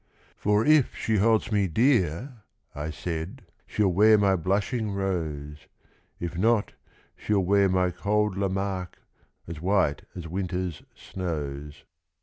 For if she holds me dear, I said, She'll wear my blushing rose; If not, she'll wear my cold Lamarque, As white as winter's snows.